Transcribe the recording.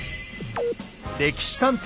「歴史探偵」